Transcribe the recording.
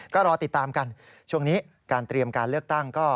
ก็รอติดตามกันช่วงนี้การเตรียมการเลือกตั้งก็